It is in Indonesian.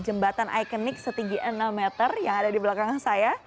jembatan ikonik setinggi enam meter yang ada di belakang saya